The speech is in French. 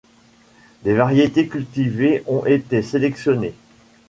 Des variétés cultivées ont été sélectionnées.